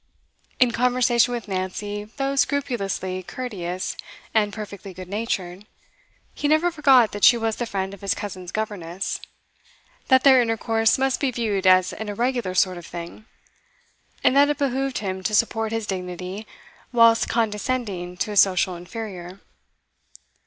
In conversation with Nancy, though scrupulously courteous and perfectly good natured, he never forgot that she was the friend of his cousins' governess, that their intercourse must be viewed as an irregular sort of thing, and that it behoved him to support his dignity whilst condescending to a social inferior.